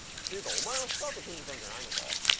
ていうかお前はスタアと組んでたんじゃないのか？